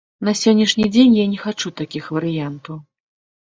На сённяшні дзень я не хачу такіх варыянтаў.